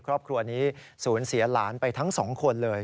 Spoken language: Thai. ครอบครัวนี้สูญเสียหลานไปทั้งสองคนเลย